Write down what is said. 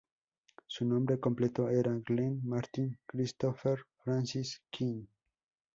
Su nombre completo era Glenn Martin Christopher Francis Quinn.